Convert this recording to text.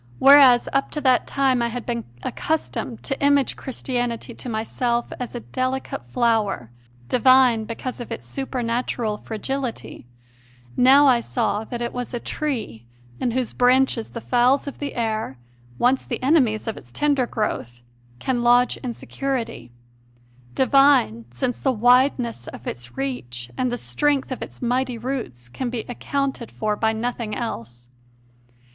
Whereas up to that time I had been accustomed to image Christianity to myself as a delicate flower, divine because of its supernatural fragility, now I saw that it was a tree in whose branches the fowls of the air, once the enemies of its tender growth, can lodge in security divine since the wideness of its reach and the strength of its mighty roots can be accounted for by nothing else.